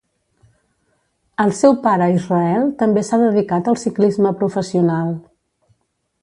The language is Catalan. El seu pare Israel també s'ha dedicat al ciclisme professional.